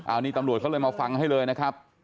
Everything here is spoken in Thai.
อันนี้ตำรวจเขาเลยมาฟังให้เลยนะครับ